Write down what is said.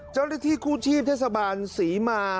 เจ้าหน้าที่กู้ชีพเทศบาลศรีมา